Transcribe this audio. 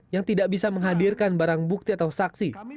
yang tidak bisa menghadirkan barang bukti atau saksi